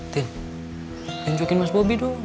tin yang cuekin mas bobi doang